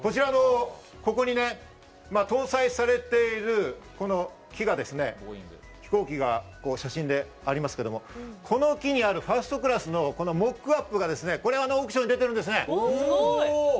ここに搭載されている飛行機が写真でありますけれども、この機にあるファーストクラスのモックアップがオークションに出てるんです。